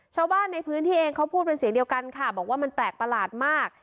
ชาวบ้านในพื้นที่เองเขาพูดเป็นเสียงเดียวกันค่ะบอกว่ามันแปลกประหลาดมาก